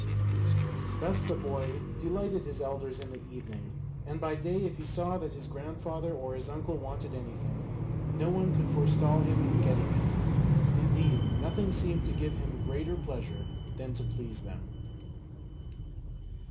Thus the boy delighted his elders in the evening, and by day if he saw that his grandfather or his uncle wanted anything, no one could forestall him in getting it; indeed nothing seemed to give him greater pleasure than to please them.